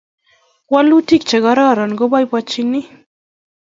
walutik chekororon ke boiboienchini